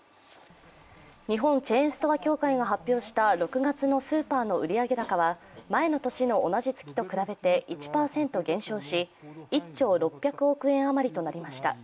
日本チェーンストア協会が発表した６月のスーパーの売上高は前の年の同じ月と比べて１％減少し１兆６００億円あまりとなりました。